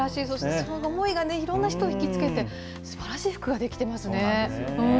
その思いがいろんな人を引き付けて、すばらしい服が出来てますね。